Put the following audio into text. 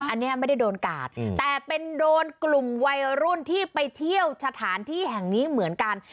อันนี้ไม่ได้โดนกาดแต่เป็นโดนกลุ่มวัยรุ่นที่ไปเที่ยวสถานที่แห่งนี้เหมือนกัน